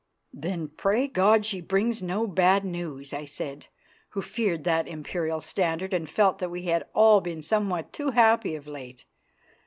"Then pray God she brings no bad news," I said, who feared that Imperial standard and felt that we had all been somewhat too happy of late.